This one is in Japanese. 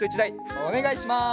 おねがいします。